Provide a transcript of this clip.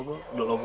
suka desain logo